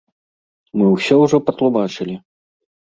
Мы ўсё ўжо патлумачылі.